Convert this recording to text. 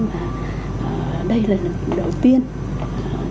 và đây là lần đầu tiên trong cái thời kỳ này